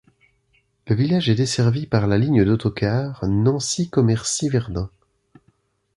Le village est desservi par la ligne d'autocars Nancy-Commercy-Verdun.